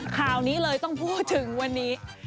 ข่าวนี้เลยต้องพูดถึงวันนี้